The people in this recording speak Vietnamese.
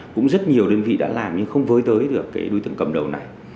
cũng rất nhiều đơn vị đã làm nhưng không vơi tới được đối tượng cầm đầu này